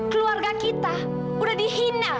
keluarga kita udah dihina